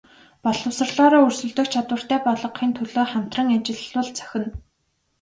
Боловсролоороо өрсөлдөх чадвартай болгохын төлөө хамтран ажиллавал зохино.